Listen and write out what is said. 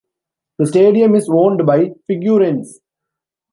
The stadium is owned by Figueirense.